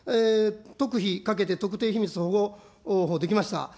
とくひ、かけて特定秘密保護法も出来ました。